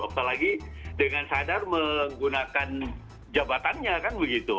apalagi dengan sadar menggunakan jabatannya kan begitu